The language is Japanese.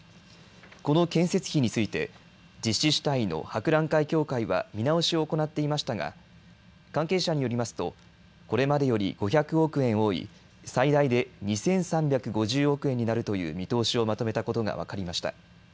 この建設費について実施主体の博覧会協会は見直しを行っていましたが関係者によりますとこれまでより５００億円多い最大で２３５０億円になるという見通しをまとめたことが分かりました。